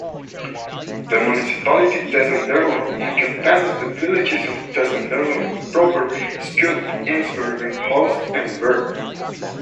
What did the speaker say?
The municipality Tessenderlo encompasses the villages of Tessenderlo proper, Schoot, Engsbergen, Hulst and Berg.